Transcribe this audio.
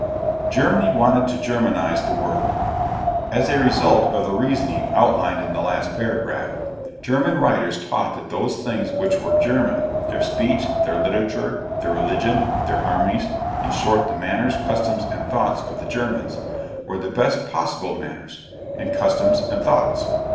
GERMANY WANTED TO GERMANIZE THE WORLD. As a result of the reasoning outlined in the last paragraph, German writers taught that those things which were German their speech, their literature, their religion, their armies, in short the manners, customs, and thoughts of the Germans were the best possible manners, and customs, and thoughts.